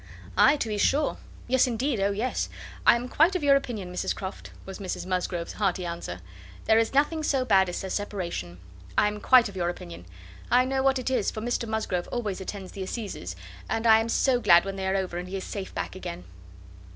"Aye, to be sure. Yes, indeed, oh yes! I am quite of your opinion, Mrs Croft," was Mrs Musgrove's hearty answer. "There is nothing so bad as a separation. I am quite of your opinion. I know what it is, for Mr Musgrove always attends the assizes, and I am so glad when they are over, and he is safe back again."